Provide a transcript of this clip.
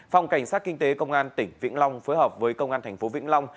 phòng cảnh sát kinh tế công an tỉnh vĩnh long phối hợp với công an thành phố vĩnh long